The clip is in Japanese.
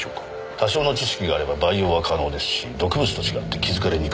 多少の知識があれば培養は可能ですし毒物と違って気づかれにくい。